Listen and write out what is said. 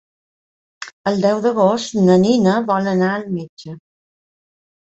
El deu d'agost na Nina vol anar al metge.